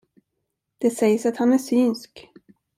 Det sägs att han är synsk.